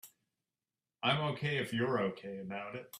I'm OK if you're OK about it.